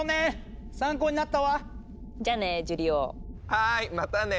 はいまたね！